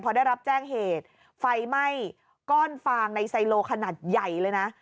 พอได้รับแจ้งเหตุไฟไหม้ก้อนฟางในไซโลขนาดใหญ่เลยนะ